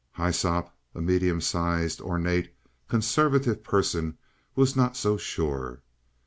Hyssop, a medium sized, ornate, conservative person, was not so sure.